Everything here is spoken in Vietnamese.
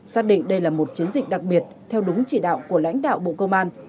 xác định đây là một chiến dịch đặc biệt theo đúng chỉ đạo của lãnh đạo bộ công an